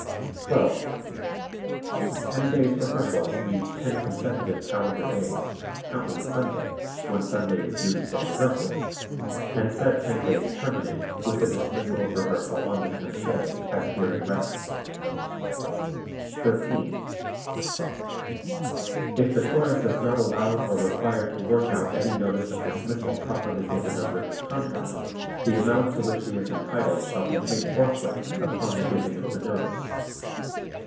12. Ten days' rehearsals means ten consecutive calendar days, counting Sunday (when Sunday is used for rehearsals) and said ten days terminate with the dismissal of rehearsal on the tenth day, as herein reckoned. 13. If the Chorus is not allowed or required to work out any notice of dismissal properly given under his contract the amount to which he is entitled shall be paid forthwith upon the giving of the notice.